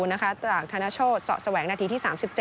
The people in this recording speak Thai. จากธนโชธเสาะแสวงนาทีที่๓๗